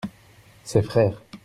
ses frères.